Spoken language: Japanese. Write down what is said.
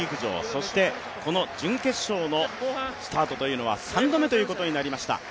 そして、準決勝のスタートというのは３度目ということになりました。